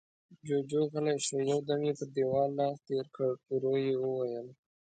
جُوجُو غلی شو، يو دم يې پر دېوال لاس تېر کړ، ورو يې وويل: